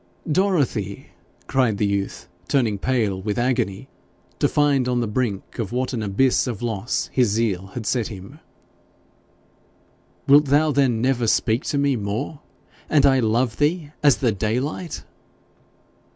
'Dorothy!' cried the youth, turning pale with agony to find on the brink of what an abyss of loss his zeal had set him, 'wilt thou, then, never speak to me more, and I love thee as the daylight?'